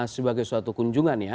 sebagai suatu kunjungan ya